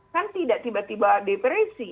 kan tidak tiba tiba depresi